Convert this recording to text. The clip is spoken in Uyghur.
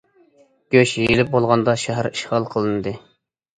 گۆش يېيىلىپ بولغاندا شەھەر ئىشغال قىلىندى.